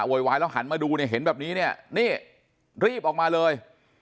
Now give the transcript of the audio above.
วายแล้วหันมาดูเนี่ยเห็นแบบนี้เนี่ยนี่รีบออกมาเลย